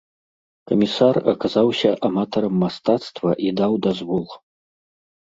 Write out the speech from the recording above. Камісар аказаўся аматарам мастацтва і даў дазвол.